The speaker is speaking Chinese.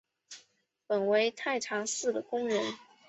本为太常寺的工人。